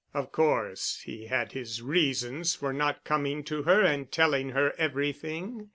Of course he had his reasons for not coming to her and telling her everything.